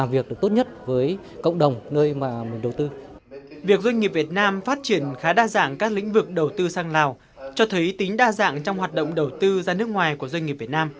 việc doanh nghiệp việt nam phát triển khá đa dạng các lĩnh vực đầu tư sang lào cho thấy tính đa dạng trong hoạt động đầu tư ra nước ngoài của doanh nghiệp việt nam